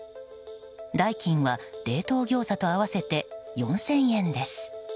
代金は冷凍ギョーザと合わせて４０００円です。